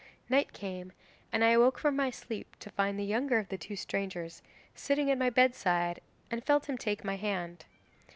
'Night came, and I awoke from my sleep to find the younger of the two strangers sitting at my bedside and felt him take my hand.